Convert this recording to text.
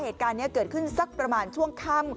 เหตุการณ์นี้เกิดขึ้นที่ซะช่วงข้าม